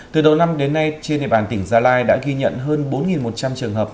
từ đầu năm đến nay trên địa bàn tỉnh gia lai đã ghi nhận hơn bốn một trăm linh trường hợp